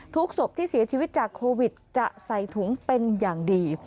ศพที่เสียชีวิตจากโควิดจะใส่ถุงเป็นอย่างดี